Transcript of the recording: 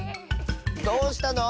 どうしたの？